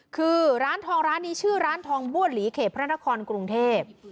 คือร้านทองร้านนี้ชื่อร้านทองบ้วนหลีเขตพระนครกรุงเทพ